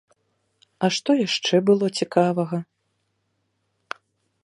А што яшчэ было цікавага?